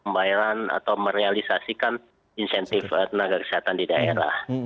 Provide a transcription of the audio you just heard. pembayaran atau merealisasikan insentif tenaga kesehatan di daerah